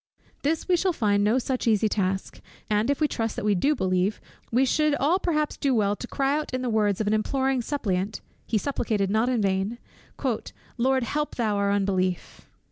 This we shall find no such easy task; and if we trust that we do believe, we should all perhaps do well to cry out in the words of an imploring suppliant (he supplicated not in vain) "Lord help thou our unbelief."